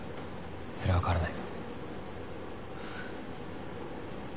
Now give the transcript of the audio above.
それは変わらない。